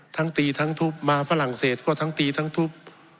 ทั้งตีทั้งทุบมาฝรั่งเศสก็ทั้งตีทั้งทุบ